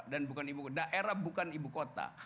daerah bukan ibukota